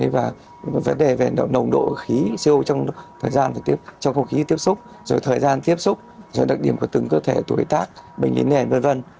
và vấn đề về nồng độ khí co trong thời gian trong không khí tiếp xúc rồi thời gian tiếp xúc rồi đặc điểm của từng cơ thể tuổi tác bệnh lý nền v v